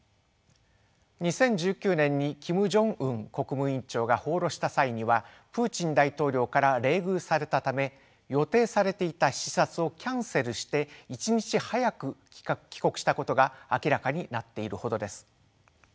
２０１９年にキム・ジョンウン国務委員長が訪ロした際にはプーチン大統領から冷遇されたため予定されていた視察をキャンセルして１日早く帰国したことが明らかになっているほどです。